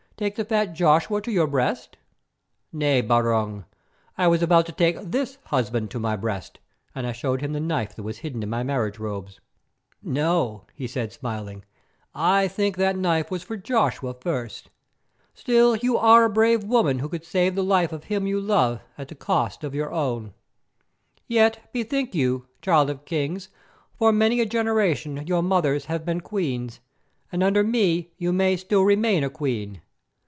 Take the fat Joshua to your breast?" "Nay, Barung, I was about to take this husband to my breast," and I showed him the knife that was hidden in my marriage robe. "No," he said, smiling, "I think the knife was for Joshua first. Still, you are a brave woman who could save the life of him you love at the cost of your own. Yet, bethink you, Child of Kings, for many a generation your mothers have been queens, and under me you may still remain a queen.